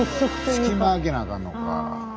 隙間空けなあかんのか。